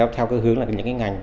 theo hướng là những ngành